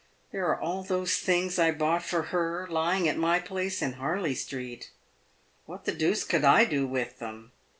There are all those things I bought for her lying at my place in Harley street. "What the deuce could I do with them